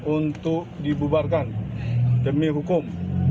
untuk dibubarkan demi hukum